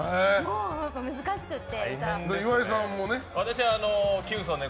難しくって。